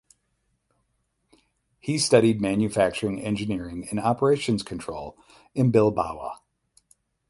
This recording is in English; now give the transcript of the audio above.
He studied manufacturing engineering and operations control in Bilbao.